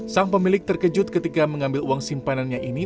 sang pemilik terkejut ketika mengambil uang simpanannya ini